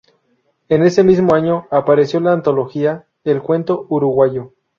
En ese mismo año apareció la antología "El cuento uruguayo".